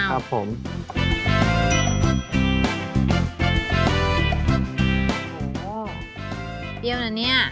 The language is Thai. โอ้โหเปรี้ยวนะเนี่ย